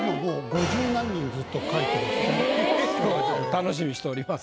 楽しみにしております。